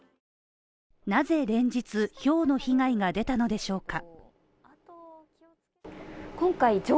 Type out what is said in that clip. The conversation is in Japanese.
なぜ連日ひょうの被害が出たのでしょうか？